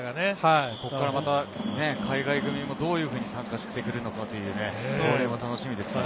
ここからまだ海外組もどういうふうに参加してくるか楽しみですね。